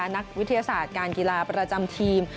นักวิทยาศาสตร์การกีฬาประจำทีม